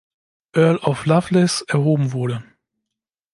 Earl of Lovelace erhoben wurde.